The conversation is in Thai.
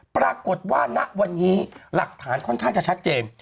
ปรากฏว่าณวันนี้หลักฐานค่อนข้างจะชัดเจน